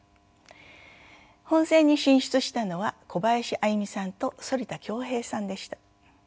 本選に進出したのは小林愛実さんと反田恭平さんでした。